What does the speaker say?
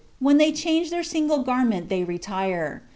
When they change their single garment they retire.